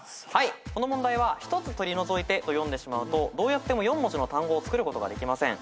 この問題は「一つ取り除いて」と読んでしまうとどうやっても４文字の単語を作ることができません。